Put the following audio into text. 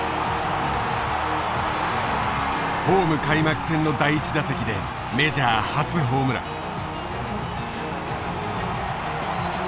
ホーム開幕戦の第１打席でメジャー初ホームラン。